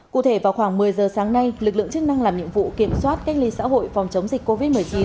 cụ thể vào khoảng một mươi giờ sáng nay lực lượng chức năng làm nhiệm vụ kiểm soát cách ly xã hội phòng chống dịch covid một mươi chín